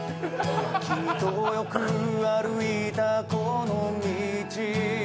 君とよく歩いたこの道。